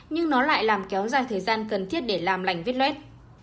nhưng nó lại làm kéo dài thời gian cần thiết để làm lành vết lết